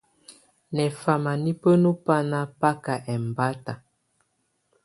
Nɛfama nɛ̀ bǝnu bana baka ɛmbata.